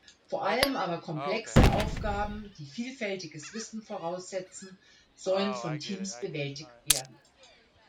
Vor allem aber komplexe Aufgaben, die vielfältiges Wissen voraussetzen, sollen von Teams bewältigt werden.